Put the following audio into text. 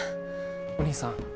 お義兄さん。